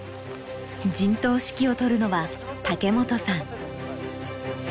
陣頭指揮を執るのは竹本さん。